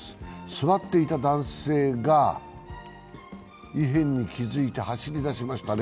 座っていた男性が異変に気づいて走り出しましたね。